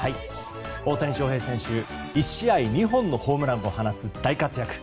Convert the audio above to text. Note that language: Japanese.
大谷翔平選手１試合２本のホームランを放つ大活躍。